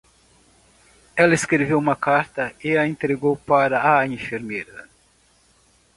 Ela escreveu uma carta e a entregou para a enfermeira.